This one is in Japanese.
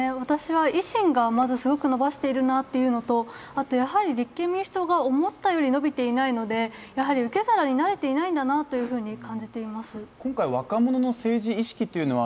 維新がまず伸ばしているなっていうこととあとやはり立憲民主党が思ったより伸びていないので受け皿になれていないんだなと感じています。